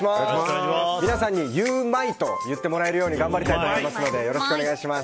皆さんにゆウマいと言ってもらえるように頑張りたいと思いますのでよろしくお願いします。